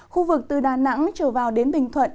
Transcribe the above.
khu vực từ đà nẵng trở vào đến bình thuận